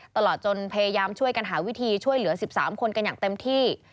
ตลอดจนพยายามช่วยกันหาวิธีช่วยเหลือ๑๓คนกันอย่างเต็มที่